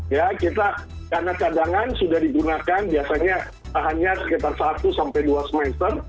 ya kita karena cadangan sudah digunakan biasanya hanya sekitar satu sampai dua semester